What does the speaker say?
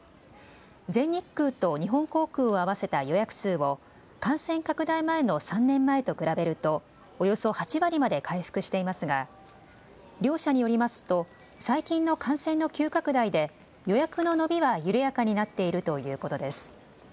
全日空と日本航空を合わせた予約数を感染拡大前の３年前と比べるとおよそ８割まで回復していますが両社によりますと最近の感染の急拡大で予約の伸びは緩やかになっているということです。